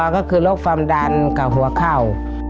ก็คือโรคความดันกับหัวเข่า